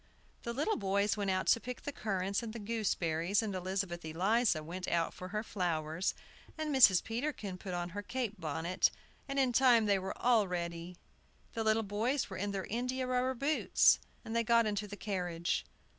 The little boys went out to pick the currants and the gooseberries, and Elizabeth Eliza went out for her flowers, and Mrs. Peterkin put on her cape bonnet, and in time they were all ready. The little boys were in their india rubber boots, and they got into the carriage.